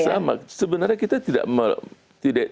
sama sebenarnya kita tidak